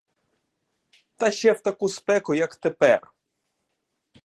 Та ще в таку спеку, як тепер!